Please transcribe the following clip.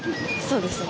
そうですね。